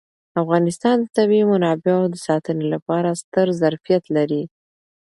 افغانستان د طبیعي منابعو د ساتنې لپاره ستر ظرفیت لري.